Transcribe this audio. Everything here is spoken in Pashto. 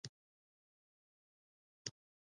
ومو لیدل چې جغرافیې او کلتور تړاو نه لري.